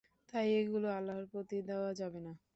তাই এগুলো আল্লাহর প্রতি দেওয়া যাবে না।